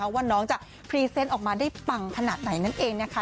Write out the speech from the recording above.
ว่าน้องจะพรีเซนต์ออกมาได้ปังขนาดไหนนั่นเองนะคะ